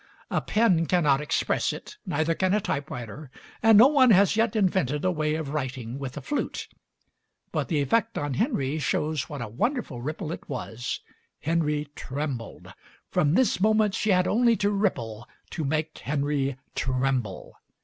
A pen cannot express it, neither can a typewriter, and no one has yet invented a way of writing with a flute; but the effect on Henry shows what a wonderful ripple it was. Henry trembled. From this moment she had only to ripple to make Henry tremble.